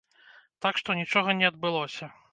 Так што нічога не адбылося.